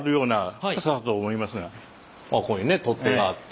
あっこれね取っ手があって。